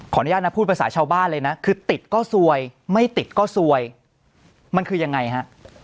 อนุญาตนะพูดภาษาชาวบ้านเลยนะคือติดก็ซวยไม่ติดก็ซวยมันคือยังไงฮะ